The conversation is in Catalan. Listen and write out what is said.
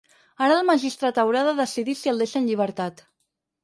Ara el magistrat haurà de decidir si el deixa en llibertat.